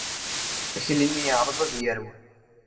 Akli-nni yeɛreḍ ad yerwel.